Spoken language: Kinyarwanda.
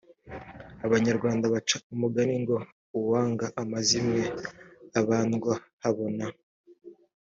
abanyarwanda baca umugani ngo uwanga amazimwe abandwa habona